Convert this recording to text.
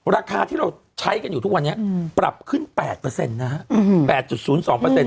ราคาที่เราใช้กันอยู่ทุกวันนี้ปรับขึ้น๘นะฮะ๘๐๒